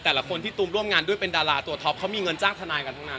แต่ละคนที่ตูมร่วมงานด้วยเป็นดาราตัวท็อปเขามีเงินจ้างทนายกันทั้งนั้น